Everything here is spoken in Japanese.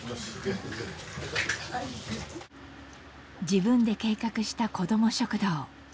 自分で計画した子ども食堂。